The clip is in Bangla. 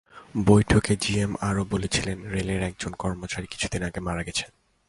বৈঠকে জিএম আরও বলেছিলেন, রেলের একজন কর্মচারী কিছুদিন আগে মারা গেছেন।